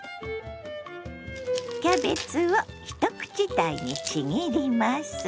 キャベツを一口大にちぎります。